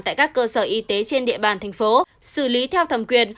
tại các cơ sở y tế trên địa bàn thành phố xử lý theo thẩm quyền